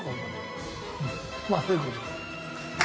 まあそういう事で。